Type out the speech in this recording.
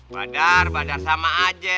badar badar sama aja